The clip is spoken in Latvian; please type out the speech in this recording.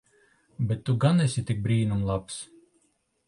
Bet tu gan esi tik brīnum labs.